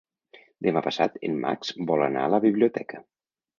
Demà passat en Max vol anar a la biblioteca.